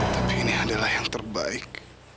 tapi ini adalah yang terbaik